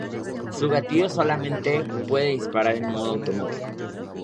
Su gatillo solamente puede disparar en modo automático.